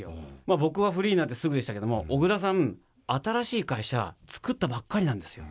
僕はフリーになってすぐでしたけども、小倉さん、新しい会社作ったばっかりなんですよ。